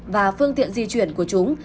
và phương tiện di chuyển của chúng